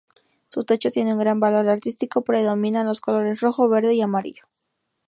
Su techo tiene gran valor artístico, predominan los colores rojo, verde y amarillo.